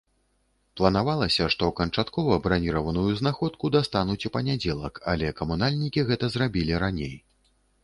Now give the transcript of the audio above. Планавалася, што канчаткова браніраваную знаходку дастануць у панядзелак, але камунальнікі гэта зрабілі раней.